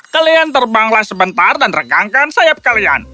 kalian terbanglah sebentar dan rekan sayap kalian